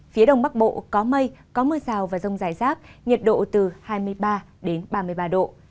phía đông bắc bộ có mây có mưa rào và rông rải rác nhiệt độ từ hai mươi ba đến ba mươi ba độ